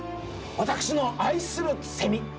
私の愛するセミ